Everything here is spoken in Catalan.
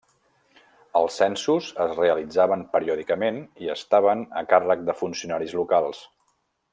Els censos es realitzaven periòdicament i estaven a càrrec de funcionaris locals.